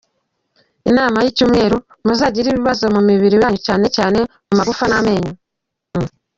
Inama z’icyumweru: muzagira ibibazo mu mubiri wanyu cyane cyane mu magufa, n’amenyo.